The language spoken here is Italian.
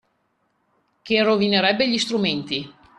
Che rovinerebbe gli strumenti